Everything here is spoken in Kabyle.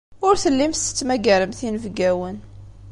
Ur tellimt tettmagaremt inebgawen.